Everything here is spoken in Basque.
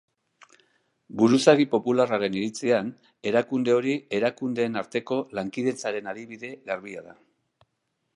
Buruzagi popularraren iritzian, erakunde hori erakundeen arteko lankidetzaren adibide garbia da.